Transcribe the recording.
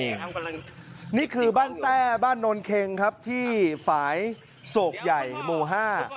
กำลังนี่คือบ้านแต้บ้านโน่นเข็งครับที่ฝ่ายโสกใหญ่โมห้า